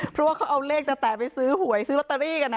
เพราะว่าเขาเอาเลขแต่ไปซื้อหวยซื้อลอตเตอรี่กัน